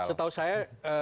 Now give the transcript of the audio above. karena setahu saya